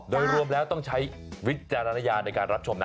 โดยรวมแล้วต้องใช้วิจารณญาณในการรับชมนะ